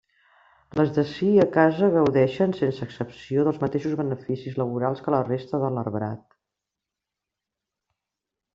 Les d'ací a casa gaudeixen, sense excepció, dels mateixos beneficis laborals que la resta de l'arbrat.